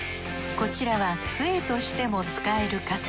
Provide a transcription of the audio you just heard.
こちらは杖としても使える傘。